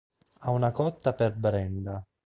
Ha una cotta per Brenda.